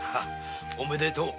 おめでとう。